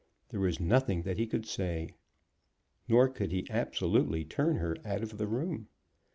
There was nothing that he could say; nor could he absolutely turn her out of the room.